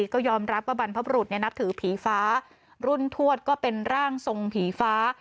ก็ยอมรับว่าบรรพบรุษนับถือผีฟ้ารุ่นทวดก็เป็นร่างทรงผีฟ้า